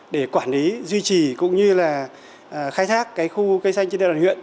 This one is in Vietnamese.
để quản lý duy trì cũng như là khai thác khu cây xanh trên đoàn huyện